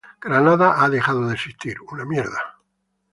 Granada ha dejado de existir".